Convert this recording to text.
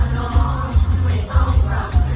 สวัสดีครับ